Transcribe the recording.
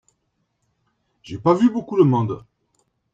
j’ai pas vu beaucoup de monde.